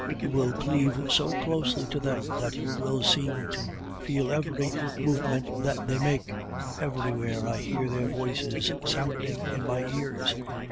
you will cleave so closely to them that you seem to feel every movement that they make. Everywhere I hear their voices sounding in my ears.